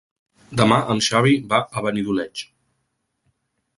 Demà en Xavi va a Benidoleig.